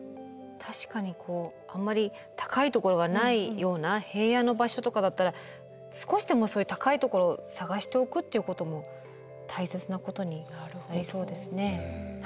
確かにあんまり高いところがないような平野の場所とかだったら少しでもそういう高いところを探しておくっていうことも大切なことになりそうですね。